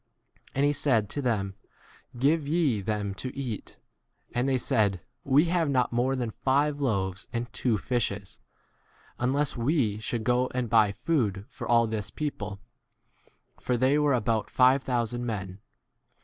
And he said to them, Give ye them to eat. And they said, We have not more than five loaves and two fishes, unless we should go and buy food for all 14 this people ; for they were about five thousand men.